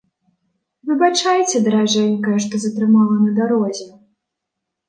Выбачайце, даражэнькая, што затрымала на дарозе.